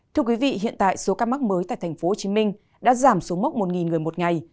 thưa quý vị hiện tại số ca mắc mới tại tp hcm đã giảm xuống mốc một người một ngày